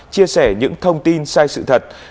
chia sẻ những thông tin sai sự thật